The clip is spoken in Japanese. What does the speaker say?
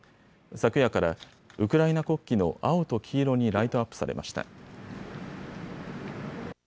昨夜からウクライナ国旗の青と黄色にライトアップされました。